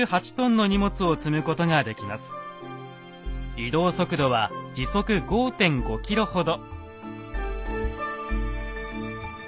移動速度は時速５．５ｋｍほど。